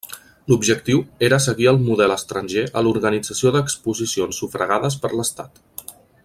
L'objectiu era seguir el model estranger a l'organització d'exposicions sufragades per l'Estat.